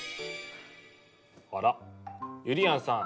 あらゆりやんさん